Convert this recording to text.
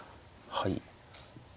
はい。